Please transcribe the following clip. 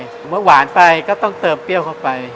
เมื่อหวานไปก็ต้องเติมเปรี้ยวเข้าไป